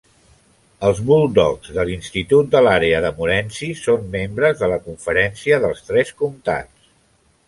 Els Bulldogs de l'Institut de l'àrea de Morenci són membres de la Conferència dels tres comtats.